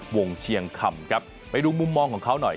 เชียงคำครับไปดูมุมมองของเขาหน่อย